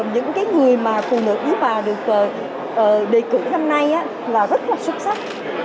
những cái người mà phụ nữ mà được đề cử hôm nay là rất là xuất sắc